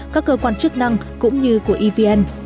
các cơ quan chức năng cũng như của even